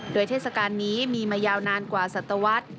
โดยเทศกาลนี้มีมายาวนานกว่าศัตวรรษ